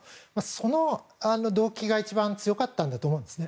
その動機が一番強かったんだと思います。